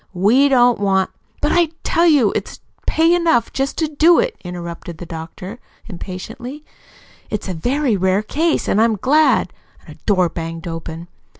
We don't want " "But I tell you it's pay enough just to do it," interrupted the doctor impatiently. "It's a very rare case, and I'm glad " A door banged open.